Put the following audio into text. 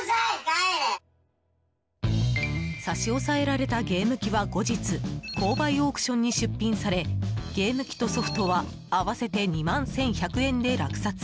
差し押さえられたゲーム機は後日公売オークションに出品されゲーム機とソフトは合わせて２万１１００円で落札。